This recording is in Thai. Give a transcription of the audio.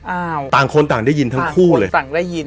อ้าวต่างคนต่างได้ยินทั้งคู่เลยต่างได้ยิน